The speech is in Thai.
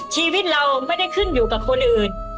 ชีวิตเราไม่ได้ขึ้นอยู่กับคนอื่น